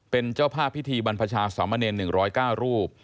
เป็นเจ้าภาพพิธีบรรพชาสามเณร๑๐๙รูป